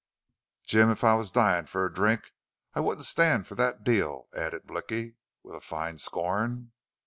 "Jim, if I was dyin' fer a drink I wouldn't stand fer thet deal," added Blicky, with a fine scorn.